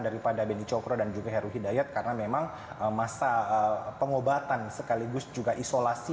daripada beni cokro dan juga heru hidayat karena memang masa pengobatan sekaligus juga isolasi